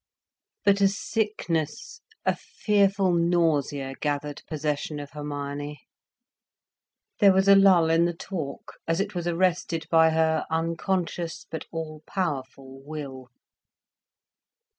But a sickness, a fearful nausea gathered possession of Hermione. There was a lull in the talk, as it was arrested by her unconscious but all powerful will.